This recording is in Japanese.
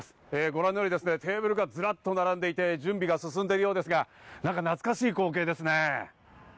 ご覧のようにずらっとテーブルが並んでいて、準備が進んでいるようですが、なんか懐かしい光景ですね。